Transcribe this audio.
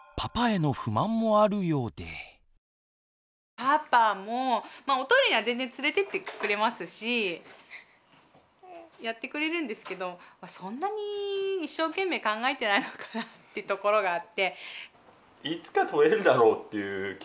パパもまあおトイレには全然連れていってくれますしやってくれるんですけどそんなに一生懸命考えてないのかなってところがあって。